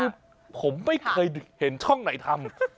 คือผมไม่เคยเห็นช่องไหนทำ